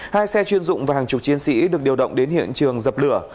hai xe chuyên dụng và hàng chục chiến sĩ được điều động đến hiện trường dập lửa